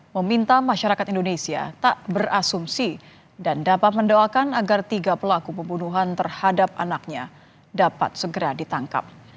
meminta masyarakat indonesia tak berasumsi dan dapat mendoakan agar tiga pelaku pembunuhan terhadap anaknya dapat segera ditangkap